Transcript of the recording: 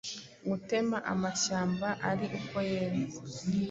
Gutema amashyamba ari uko yeze